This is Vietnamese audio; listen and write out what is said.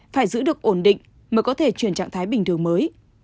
phải giữ được ổn định mới có thể chuyển trạng thái bình thường mới